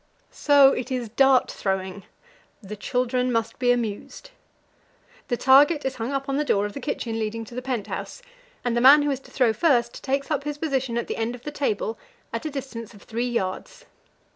So it is dart throwing the children must be amused. The target is hung up on the door of the kitchen leading to the pent house, and the man who is to throw first takes up his position at the end of the table at a distance of three yards.